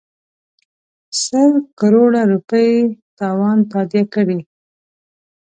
سل کروړه روپۍ تاوان تادیه کړي.